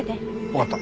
わかった。